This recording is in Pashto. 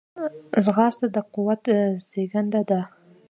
ځغاسته د قوت زیږنده ده